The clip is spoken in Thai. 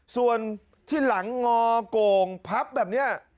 ส่วนที่หลังงอโก่งพับแบบนี้